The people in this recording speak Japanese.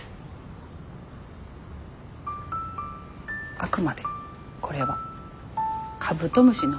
あくまでこれはカブトムシの話として。